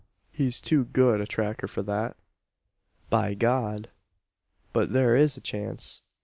He's too good a tracker for that. "By God! but there is a chance!"